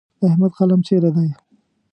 د احمد قلم چیرې دی؟